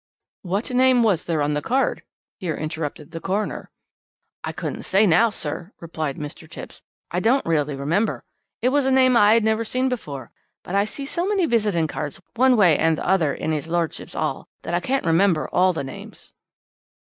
"'What name was there on the card?' here interrupted the coroner. "'I couldn't say now, sir,' replied Mr. Chipps; 'I don't really remember. It was a name I had never seen before. But I see so many visiting cards one way and the other in 'is lordship's 'all that I can't remember all the names.'